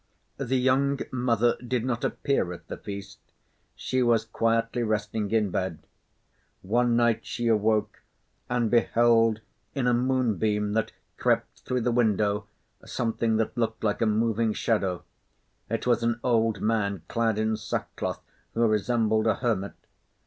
The young mother did not appear at the feast. She was quietly resting in bed. One night she awoke, and beheld in a moonbeam that crept through the window something that looked like a moving shadow. It was an old man clad in sackcloth, who resembled a hermit.